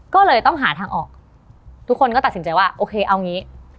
ก็เลยต้องหาทางออกทุกคนก็ตัดสินใจว่าโอเคเอางี้